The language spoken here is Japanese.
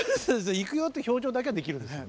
「いくよ」っていう表情だけはできるんですよね。